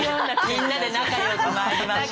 みんなで仲良く参りましょう。